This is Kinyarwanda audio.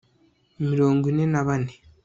mirongo ine na bane